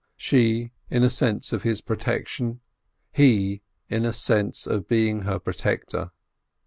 She, in a sense of his protection, he, in a sense of being her protector.